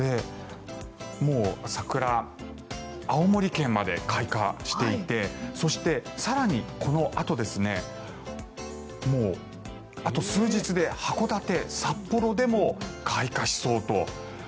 桜、青森県まで開花していてそして、更にこのあともうあと数日で函館、札幌でも開花しそうと。